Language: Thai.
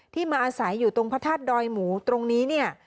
มาอาศัยอยู่ตรงพระธาตุดอยหมูตรงนี้เนี่ย